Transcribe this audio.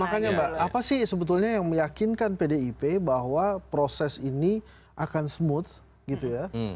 makanya mbak apa sih sebetulnya yang meyakinkan pdip bahwa proses ini akan smooth gitu ya